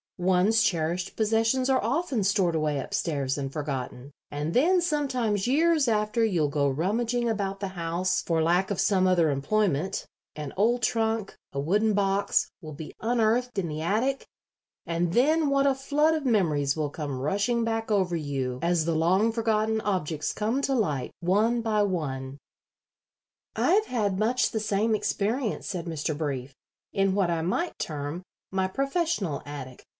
"One's cherished possessions are often stored away up stairs and forgotten, and then sometimes years after you'll go rummaging about the house for lack of some other employment; an old trunk, a wooden box, will be unearthed in the attic, and then what a flood of memories will come rushing back over you as the long forgotten objects come to light, one by one." "I have had much the same experience," said Mr. Brief, "in what I might term my professional attic.